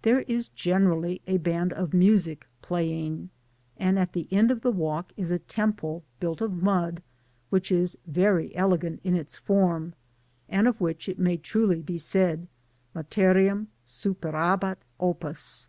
There is ge nerally a band of music playing, and at the end of the walk is a^temple built of mud, which is very elegant in its form, atid of which it may truly be gaid, " materiem superabat dpus.